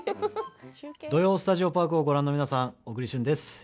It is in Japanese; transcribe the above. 「土曜スタジオパーク」をご覧の皆さん、小栗旬です。